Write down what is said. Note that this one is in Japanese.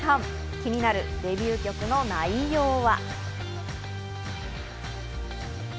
気になるデビュー曲の内容は。